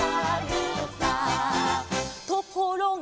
「ところが」